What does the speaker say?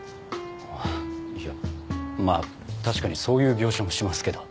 あぁいやまぁ確かにそういう描写もしますけど。